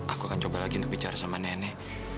aku akan coba lagi untuk bicara sama nenek